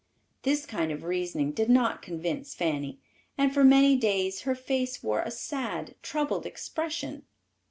This kind of reasoning did not convince Fanny, and for many days her face wore a sad, troubled expression.